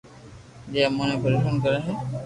جي امون نو پرݾون ڪرو ھي